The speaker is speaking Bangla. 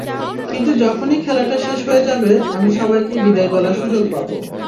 কিন্তু যখনই খেলাটা শেষ হয়ে যাবে, আমি সবাইকে বিদায় বলার সুযোগ পাব।